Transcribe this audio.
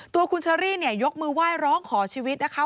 ตัวคุณเชอรี่เนี่ยยกมือไหว้ร้องขอชีวิตนะคะ